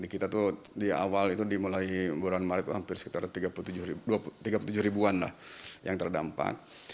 kita tuh di awal itu dimulai bulan maret hampir sekitar tiga puluh tujuh ribuan lah yang terdampak